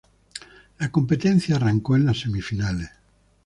La competencia arrancó en las Semifinales.